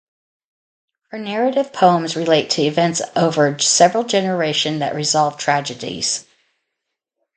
Her narrative poems relate to events over several generation that resolve tragedies.